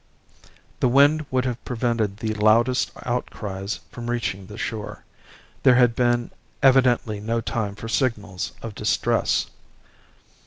The wind would have prevented the loudest outcries from reaching the shore; there had been evidently no time for signals of distress.